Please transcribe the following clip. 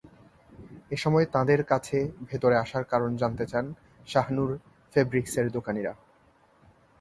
এ সময় তাঁদের কাছে ভেতরে আসার কারণ জানতে চান শাহনূর ফেব্রিক্সের দোকানিরা।